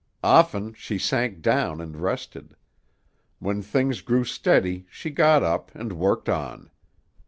Often she sank down and rested; when things grew steady she got up and worked on.